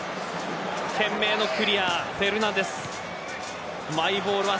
懸命のクリアフェルナンデス。